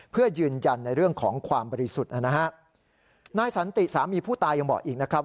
เพื่อยืนยันในเรื่องของความบริสุทธิ์นะฮะนายสันติสามีผู้ตายยังบอกอีกนะครับ